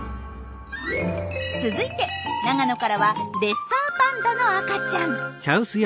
続いて長野からはレッサーパンダの赤ちゃん。